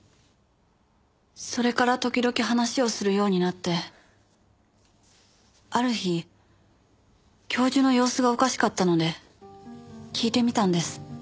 それから時々話をするようになってある日教授の様子がおかしかったので聞いてみたんです。